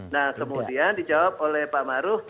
nah kemudian dijawab oleh pak maruf